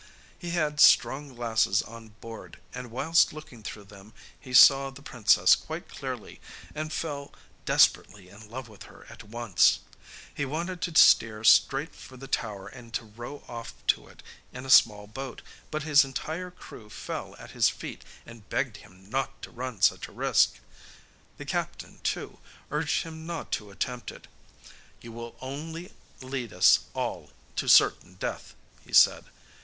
He had strong glasses on board, and whilst looking through them he saw the princess quite clearly, and fell desperately in love with her at once. He wanted to steer straight for the tower and to row off to it in a small boat, but his entire crew fell at his feet and begged him not to run such a risk. The captain, too, urged him not to attempt it. 'You will only lead us all to certain death,' he said.